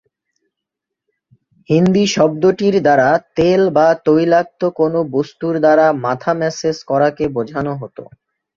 হিন্দি শব্দটির দ্বারা তেল বা তৈলাক্ত কোনো বস্তুর দ্বারা মাথা ম্যাসেজ করাকে বোঝানো হতো।